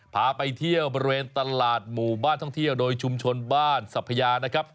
พาไปเที่ยวบริเวณตลาดหมู่บ้านท่องเที่ยวโดยชุมชนบ้านสัพยานะครับ